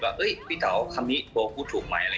ว่าเอ๊ยพี่เต๋าคำนี้พูดถูกไหม